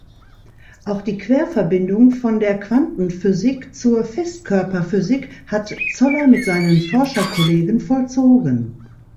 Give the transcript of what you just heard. Auch die Querverbindung von der Quantenphysik zur Festkörperphysik hat Zoller mit seinen Forscherkollegen vollzogen.